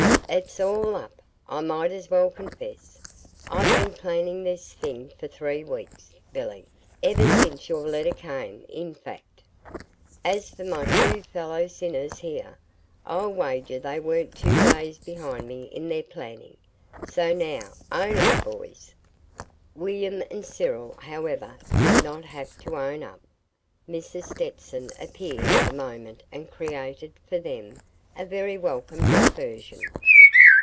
"It's all up! I might as well confess. I'VE been planning this thing for three weeks, Billy, ever since your letter came, in fact. As for my two fellow sinners here, I'll wager they weren't two days behind me in their planning. So now, own up, boys!" William and Cyril, however, did not have to "own up." Mrs. Stetson appeared at the moment and created, for them, a very welcome diversion.